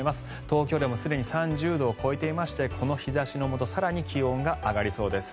東京でもすでに３０度を超えていましてこの日差しのもと更に気温が上がりそうです。